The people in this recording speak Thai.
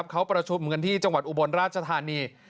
เขาประชุมกันที่จังหวัดอุบลราชธานี